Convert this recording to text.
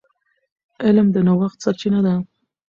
علم د نوښت سرچینه ده.